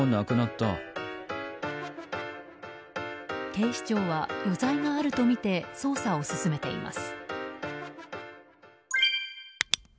警視庁は余罪があるとみて捜査を進めています。